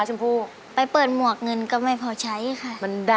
ใช่มั้ยเป็นสายบันเทิงใช่ไหมคะ